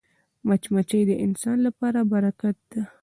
مچمچۍ د انسان لپاره برکت ده